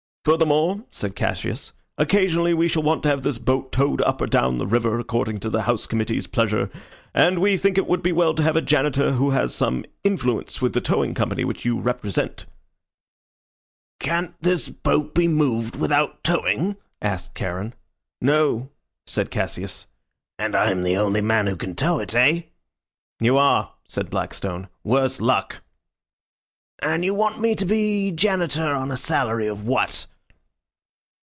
"Furthermore," said Cassius, "occasionally we shall want to have this boat towed up or down the river, according to the house committee's pleasure, and we think it would be well to have a Janitor who has some influence with the towing company which you represent." "Can't this boat be moved without towing?" asked Charon. "No," said Cassius. "And I'm the only man who can tow it, eh?" "You are," said Blackstone. "Worse luck." "And you want me to be Janitor on a salary of what?"